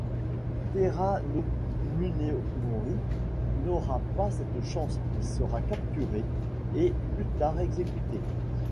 Taira no Munemori n'aura pas cette chance: il sera capturé, et plus tard exécuté.